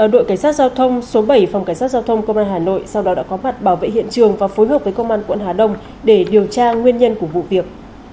đội cảnh sát giao thông số bảy phòng cảnh sát giao thông công an hà nội sau đó đã có mặt bảo vệ hiện trường và phối hợp với công an quận hà đông để điều tra nguyên nhân của vụ việc